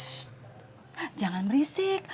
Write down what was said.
shh jangan berisik